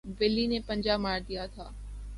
بلی نے پنجہ مار دیا تھا